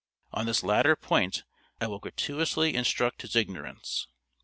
On this latter point I will gratuitously instruct his ignorance.